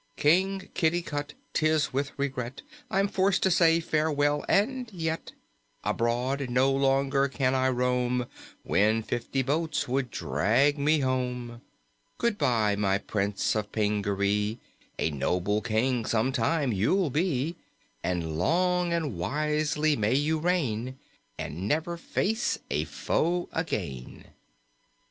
"King Kitticut, 'tis with regret I'm forced to say farewell; and yet Abroad no longer can I roam When fifty boats would drag me home. "Good bye, my Prince of Pingaree; A noble King some time you'll be And long and wisely may you reign And never face a foe again!"